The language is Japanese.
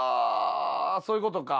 そういうことか。